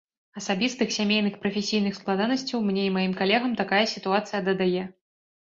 Асабістых, сямейных, прафесійных складанасцяў мне і маім калегам такая сітуацыя дадае.